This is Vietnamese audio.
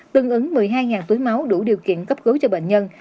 tương ứng một mươi hai túi máu đủ điều kiện cấp cứu cho bệnh nhân